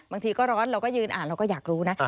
บางทีก็ร้อนเราก็ยืนอ่านเราก็อยากรู้นะ